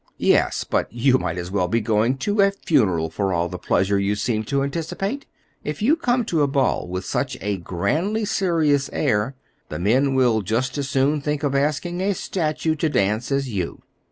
"Yes; but you might as well be going to a funeral for all the pleasure you seem to anticipate. If you come to a ball with such a grandly serious air, the men will just as soon think of asking a statue to dance as you.